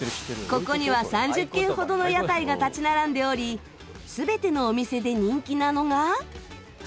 ここには３０軒ほどの屋台が立ち並んでおり全てのお店で人気なのが。